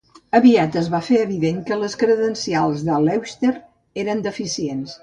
Aviat es va fer evident que les credencials de Leuchter eren deficients.